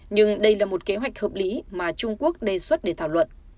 nhưng đây là một kế hoạch hợp lý mà trung quốc đề xuất để thảo luận